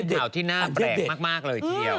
อันนี้เป็นข่าวที่น่าแปลกมากเลยครับ